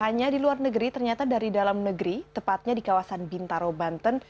hanya di luar negeri ternyata dari dalam negeri tepatnya di kawasan bintaro banten